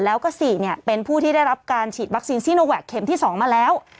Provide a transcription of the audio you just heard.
แล้วก็๔เป็นผู้ที่ได้รับการฉีดวัคซีนซีโนแวคเข็มที่๒มาแล้ว